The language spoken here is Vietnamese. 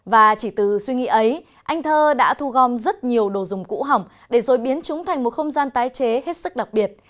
và chỉ từ suy nghĩ ấy anh thơ đã thu gom rất nhiều đồ dùng cũ hỏng để rồi biến chúng thành một không gian tái chế hết sức đặc biệt